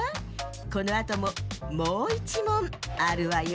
このあとももういちもんあるわよ。